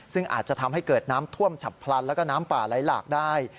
ซึ่งอาจจะทำให้เกิดน้ำท่วมฉับพลันแล้วก็น้ำป่าไหลหลากได้